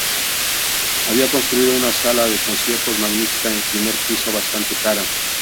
Había construido una sala de conciertos magnífica en el primer piso bastante cara.